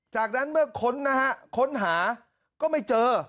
จากนั้นเมื่อค้นนะฮะค้นหาก็ไม่เจอ